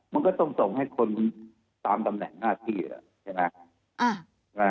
มันก็ต้องส่งให้คนตามตำแหน่งหน้าที่ใช่ไหม